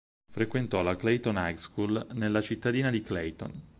Frequentò la Clayton High School nella cittadina di Clayton.